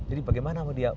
jadi bagaimana dia